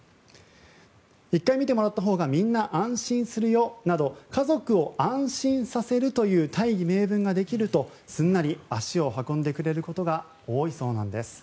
１回診てもらったほうがみんな安心するよなど家族を安心させるという大義名分ができるとすんなり足を運んでくれることが多いそうなんです。